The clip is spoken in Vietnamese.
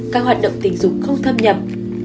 năm các hoạt động tình dục không thâm nhập